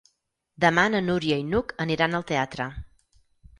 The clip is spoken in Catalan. Demà na Núria i n'Hug aniran al teatre.